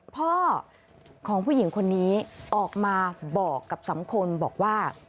พ่อของผู้หญิงคนนี้ออกมาบอกกับสำคลบอกว่า